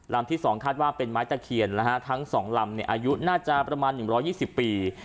ที่๒คาดว่าเป็นไม้ตะเคียนทั้ง๒ลำอายุน่าจะประมาณ๑๒๐ปี